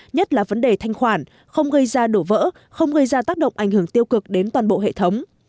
nhất là vấn đề thanh khoản không gây ra đổ vỡ không gây ra tác động ảnh hưởng tiêu cực đến toàn bộ hệ thống